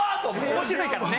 面白いからね。